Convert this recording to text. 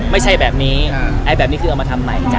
ไม่ใช่แบบนี้ไอ้แบบนี้คือเอามาทำใหม่จ๊